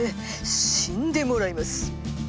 死んでもらいます！